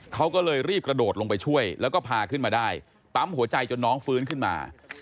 เขาก็เลยรีบกระโดดลงไปช่วยแล้วก็พาขึ้นมาได้ปั๊มหัวใจจนน้องฟื้นขึ้นมา